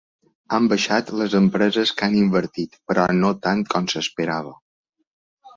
Han baixat les empreses que han invertit, però no tant com s’esperava.